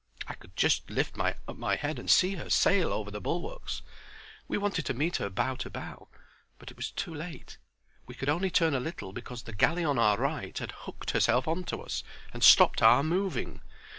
I could just lift up my head and see her sail over the bulwarks. We wanted to meet her bow to bow, but it was too late. We could only turn a little bit because the galley on our right had hooked herself on to us and stopped our moving.